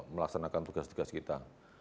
melaksanakan tugas tugas kita